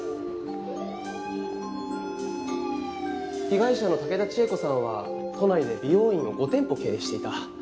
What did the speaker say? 被害者の竹田千恵子さんは都内で美容院を５店舗を経営していた。